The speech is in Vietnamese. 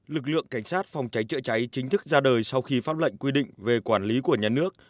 lực lượng cảnh sát phòng cháy chữa cháy chính thức ra đời sau khi pháp lệnh quy định về quản lý của nhà nước